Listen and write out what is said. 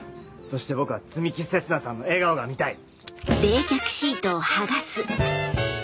そして僕は摘木星砂さんの笑顔が見たい！